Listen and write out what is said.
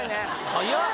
早っ。